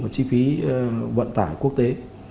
chi phí vận tải quốc tế